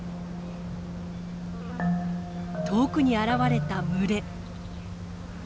遠くに現れた群れ。